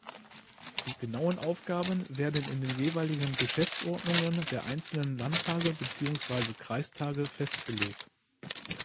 Die genauen Aufgaben werden in den jeweiligen Geschäftsordnungen der einzelnen Landtage beziehungsweise Kreistage festgelegt.